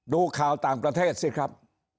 ดูข่าวต่างประเทศสิครับ